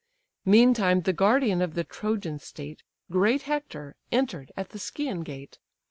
Meantime the guardian of the Trojan state, Great Hector, enter'd at the Scæan gate.